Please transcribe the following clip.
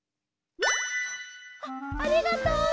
あっありがとう！